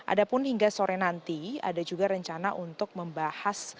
ada pun hingga sore nanti ada juga rencana untuk membahas